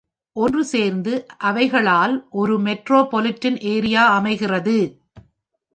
ஒன்று சேர்ந்து அவைகளால் ஒரு metropolitan area அமைகிறது.